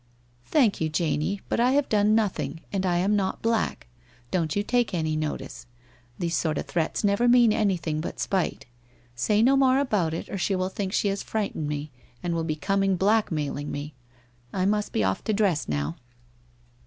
Thank you, Janie, but I have done nothing, and I am not black. Don't you take any notice. These sort of threats never mean anything but spite. Say no more about it, or she will think . he has frightened me and will be com ing blackmailing me ! I must be off to dress now.'